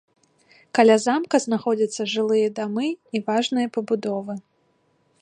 Каля замка знаходзяцца жылыя дамы і важныя пабудовы.